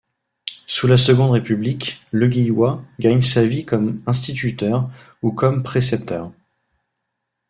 Sous la Seconde République, Leguillois gagne sa vie comme instituteur ou comme précepteur.